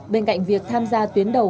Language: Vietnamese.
bên cạnh việc tham gia tuyến đầu